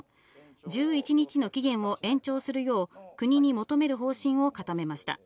１１日の期限を延長するよう国に求める方針を固めました。